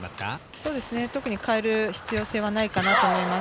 そのに変える必要はないと思います。